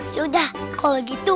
saja mau ke vayano